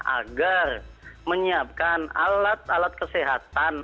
agar menyiapkan alat alat kesehatan